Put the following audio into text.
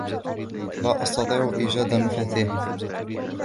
لا استطيع إيجاد مفاتيحي.